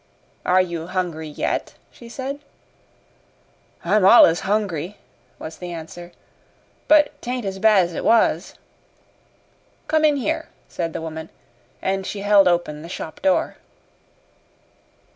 "Are you hungry yet?" she said. "I'm allus hungry," was the answer, "but 't ain't as bad as it was." "Come in here," said the woman, and she held open the shop door.